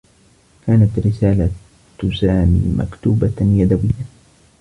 كانت رسالة سامي مكتوبة يدويّا.